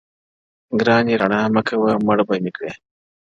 گراني رڼا مه كوه مړ به مي كړې’